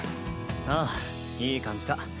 ああいい感じだ。